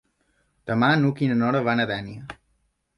Demà n'Hug i na Nora van a Dénia.